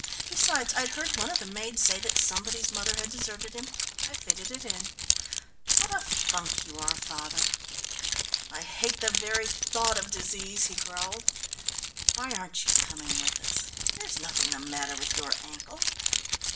Besides, I'd heard one of the maids say that somebody's mother had deserted him I fitted it in. What a funk you are, father!" "I hate the very thought of disease," he growled. "Why aren't you coming with us there is nothing the matter with your ankle?"